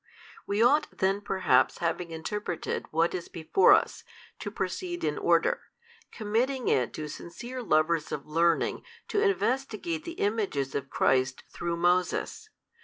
We ought then perhaps having interpreted what is before us, to proceed in order, committing it to sincere lovers of learning to investigate the images of Christ through Moses.